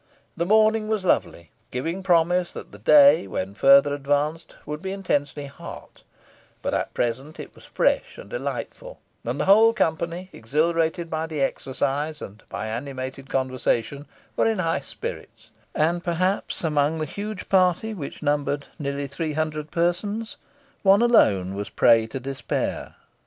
The morning was lovely, giving promise that the day, when further advanced, would be intensely hot, but at present it was fresh and delightful, and the whole company, exhilarated by the exercise, and by animated conversation, were in high spirits; and perhaps amongst the huge party, which numbered nearly three hundred persons, one alone was a prey to despair.